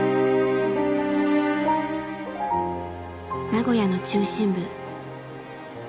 名古屋の中心部。